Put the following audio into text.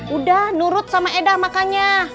udah nurut sama edah makanya